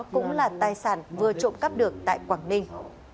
cũng là tài sản vừa trộm cắp được tại quảng ninh